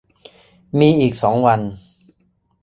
มีอีกสองวัน